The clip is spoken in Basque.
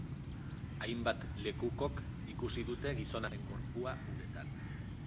Hainbat lekukok ikusi dute gizonaren gorpua uretan.